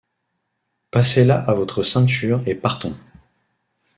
Passez-la à votre ceinture et partons.